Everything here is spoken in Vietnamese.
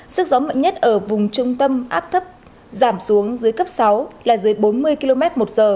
sức gió mạnh nhất ở vùng trung tâm áp thấp giảm xuống dưới cấp sáu là dưới bốn mươi kmh